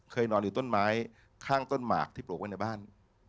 นอนอยู่ต้นไม้ข้างต้นหมากที่ปลูกไว้ในบ้าน